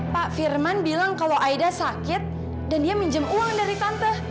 pak firman bilang kalau aida sakit dan dia minjem uang dari tante